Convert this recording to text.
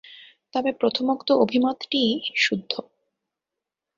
তবে প্রথমোক্ত অভিমতটিই শুদ্ধ।